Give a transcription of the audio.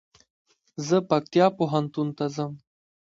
زه پکتيا پوهنتون ته ځم